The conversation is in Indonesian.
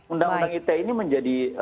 undang undang ite ini menjadi